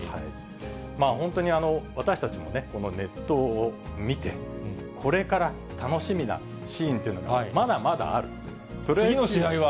本当に私たちもね、この熱投を見て、これから楽しみなシーンというのは、まだまだあ次の試合は？